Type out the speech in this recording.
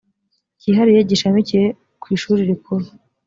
cyihariye gishamikiye ku ishuri rikuru